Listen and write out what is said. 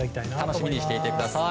楽しみにしていてください。